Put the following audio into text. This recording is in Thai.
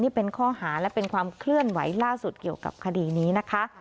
นี่เป็นข้อหาและเป็นความเคลื่อนไหวล่าสุดเกี่ยวกับคดีนี้นะคะ